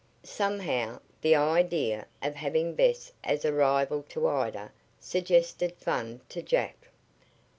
Somehow, the idea of having Bess as a rival to Ida suggested fun to Jack.